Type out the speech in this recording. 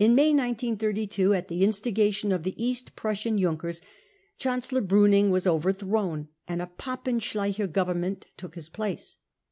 99 In May 1932, at the instigation of the East Prussian Junkers, Chancellor Bruning was overthrown, and a Papen Schleicher Government took his place.